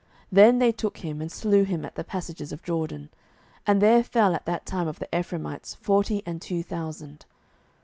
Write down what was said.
Then they took him, and slew him at the passages of Jordan: and there fell at that time of the Ephraimites forty and two thousand.